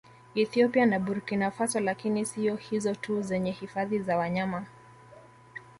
Ethiopia na Burkinafaso lakini siyo hizo tu zenye hifadhi za wanyama